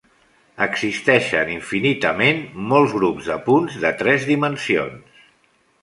Existeixen infinitament molts grups de punts de tres dimensions.